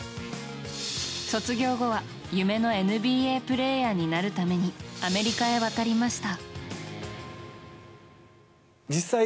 卒業後は、夢のＮＢＡプレーヤーになるためにアメリカへ渡りました。